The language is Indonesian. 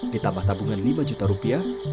ditambah tabungan lima juta rupiah